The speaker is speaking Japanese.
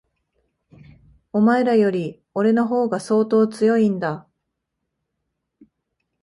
お前らより、俺の方が相当強いんだ。